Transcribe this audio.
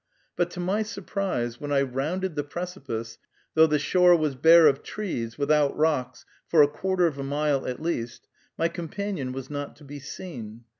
But to my surprise, when I rounded the precipice, though the shore was bare of trees, without rocks, for a quarter of a mile at least, my companion was not to be seen.